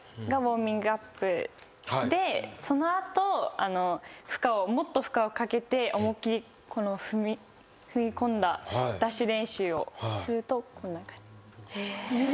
その後もっと負荷をかけて思いっきり踏み込んだダッシュ練習をするとこんな感じ。